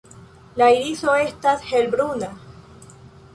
La iriso estas helbruna.